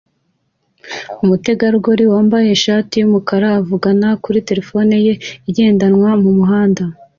Umutegarugori wambaye ishati yumukara avugana kuri terefone ye igendanwa mumuhanda